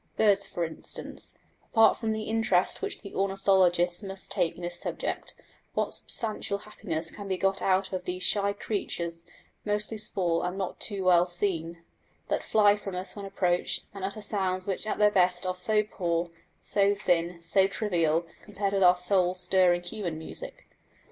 Birds, for instance: apart from the interest which the ornithologists must take in his subject, what substantial happiness can be got out of these shy creatures, mostly small and not too well seen, that fly from us when approached, and utter sounds which at their best are so poor, so thin, so trivial, compared with our soul stirring human music?